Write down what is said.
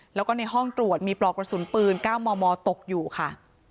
แล้วก็ในห้องตรวจมีปลอกกระสุนปืน๙มมตกอยู่ค่ะ